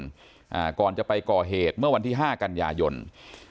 อ่าก่อนจะไปก่อเหตุเมื่อวันที่ห้ากันยายน